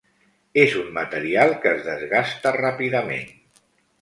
És un material que es desgasta ràpidament.